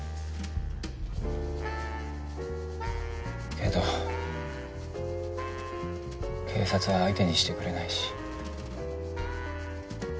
けど警察は相手にしてくれないし。